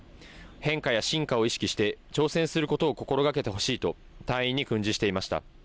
変化や進化を意識して挑戦することを心がけてほしいと隊員に訓示していました。